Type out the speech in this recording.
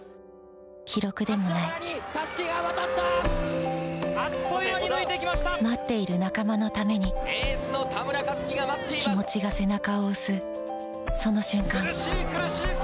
記録でもない待っている仲間のために気持ちが背中を押すその瞬間